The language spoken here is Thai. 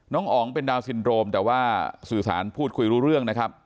อ๋องเป็นดาวนซินโรมแต่ว่าสื่อสารพูดคุยรู้เรื่องนะครับ